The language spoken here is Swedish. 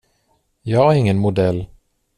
Jag är ingen modell.